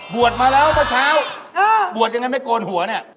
บวชมาแล้วเต่าเช้าบวชยังง่ายไม่โกนหัวนี่